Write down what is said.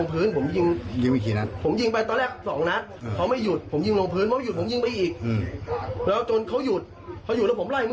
อ๋อเป็นไม้นี้ใช่ไหม